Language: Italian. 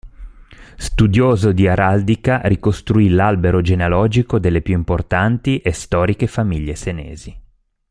Studioso di araldica, ricostruì l'albero genealogico delle più importanti e storiche famiglie senesi.